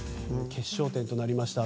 決勝点となりました